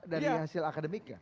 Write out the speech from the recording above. dan ini hasil akademiknya